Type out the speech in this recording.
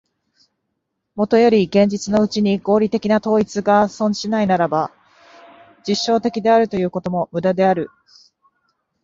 もとより現実のうちに合理的な統一が存しないならば、実証的であるということも無駄である。